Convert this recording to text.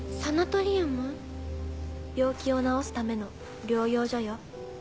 病気を治すための療養所よ。